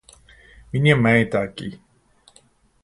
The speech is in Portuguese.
Minha mãe tá aqui